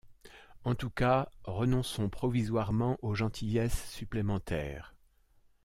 En tous cas, renonçons provisoirement aux gentillesses supplémentaires!